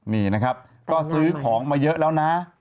นี่นะครับก็ซื้อของมาเยอะแล้วนะ